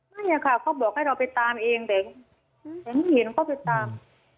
ไม่ค่ะเขาบอกให้เราไปตามเองแต่ไม่เห็นเขาไปตาม